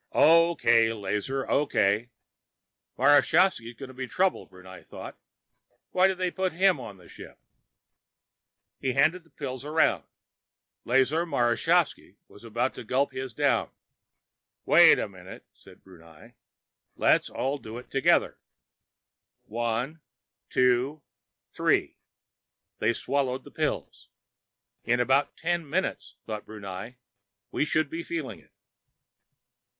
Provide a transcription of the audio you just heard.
"O.K., Lazar, O.K." Marashovski's gonna be trouble, Brunei thought. Why did they put him on the ship? He handed the pills around. Lazar Marashovski was about to gulp his down. "Wait a minute!" said Brunei. "Let's all do it together." "One, two, three!" They swallowed the pills. In about ten minutes, thought Brunei, we should be feeling it.